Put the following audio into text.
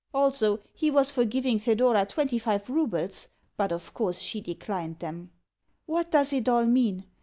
Also, he was for giving Thedora twenty five roubles, but, of course, she declined them. What does it all mean?